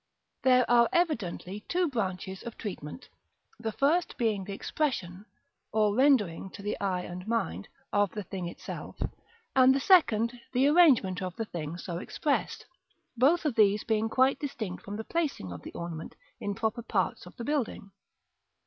There are evidently two branches of treatment: the first being the expression, or rendering to the eye and mind, of the thing itself; and the second, the arrangement of the thing so expressed: both of these being quite distinct from the placing of the ornament in proper parts of the building.